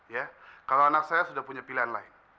ya kalau anak saya sudah punya pilihan lain